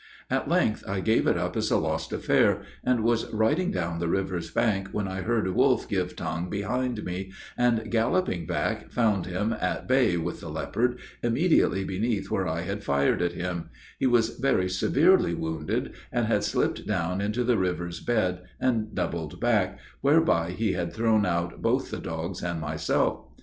At length I gave it up as a lost affair, and was riding down the river's bank, when I heard Wolf give tongue behind me, and, galloping back, found him at bay with the leopard, immediately beneath where I had fired at him; he was very severely wounded, and had slipped down into the river's bed and doubled back, whereby he had thrown out both the dogs and myself.